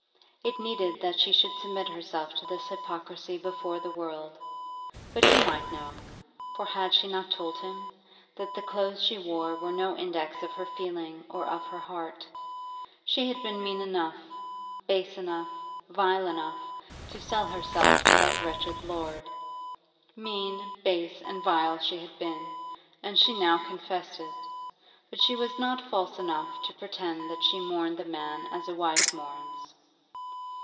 It needed that she should submit herself to this hypocrisy before the world; but he might know, for had she not told him? that the clothes she wore were no index of her feeling or of her heart. She had been mean enough, base enough, vile enough, to sell herself to that wretched lord. Mean, base, and vile she had been, and she now confessed it; but she was not false enough to pretend that she mourned the man as a wife mourns.